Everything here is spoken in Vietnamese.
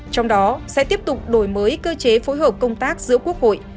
trong đó sẽ tiếp tục đổi mới cơ chế phối hợp công tác giữa quốc hội